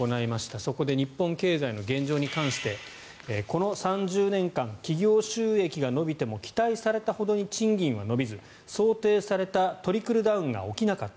そこで日本経済の現状に関してこの３０年間企業収益が伸びても期待されたほどに賃金は伸びず想定されたトリクルダウンが起きなかった。